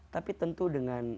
tapi tentu dengan